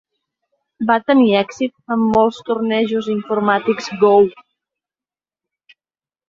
Va tenir èxit en molts tornejos informàtics Go.